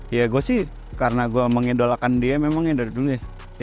ya gue sih karena gue mengidolakan dia memang ya dari dulu ya